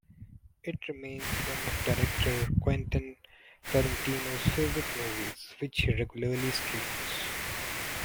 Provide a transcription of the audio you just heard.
It remains one of director Quentin Tarantino's favorite movies, which he regularly screens.